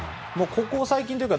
ここ最近というか